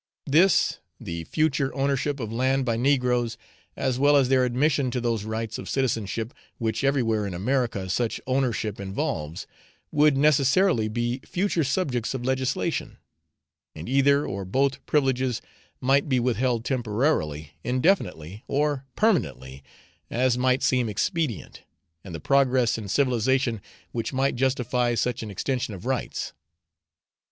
This, the future ownership of land by negroes, as well as their admission to those rights of citizenship which everywhere in America such ownership involves, would necessarily be future subjects of legislation; and either or both privileges might be withheld temporarily, indefinitely, or permanently, as might seem expedient, and the progress in civilisation which might justify such an extension of rights.